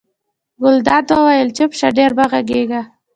ګلداد وویل چپ شه ډېره مه غږېږه.